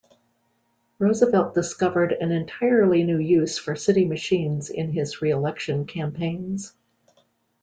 Roosevelt discovered an entirely new use for city machines in his reelection campaigns.